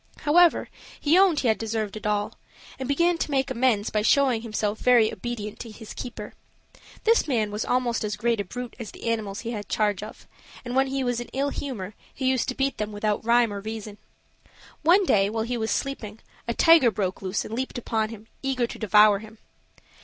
However, he owned he had deserved it all, and began to make amends by showing himself very obedient to his keeper. This man was almost as great a brute as the animals he had charge of, and when he was in ill humor he used to beat them without rhyme or reason. One day, while he was sleeping, a tiger broke loose and leaped upon him, eager to devour him.